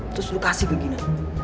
terus lo kasih ke gina